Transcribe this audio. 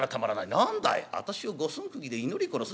「何だい私を五寸くぎで祈り殺す？